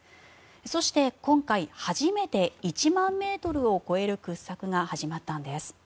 そして、今回初めて１万ｍを超える掘削が始まったんです。